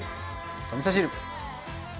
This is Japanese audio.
おみそ汁。